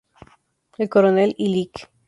El coronel y lic.